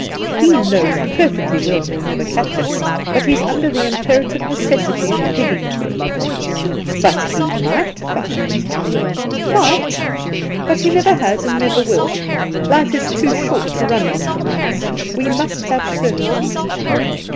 He knows perfectly well he will never catch it, but he's under the imperative necessity of digging for it." "But he might find it." "Might! but he never has and never will. Life is too short to run after mights; we must have certainties."